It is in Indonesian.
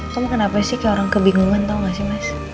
kamu kenapa sih kayak orang kebingungan atau gak sih mas